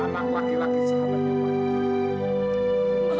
anak laki laki sehat dan nyaman